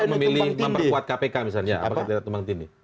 atau memilih memperkuat kpk misalnya apakah tidak tumpang tindih